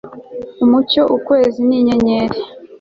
Umucyo ukwezi ni inyenyeri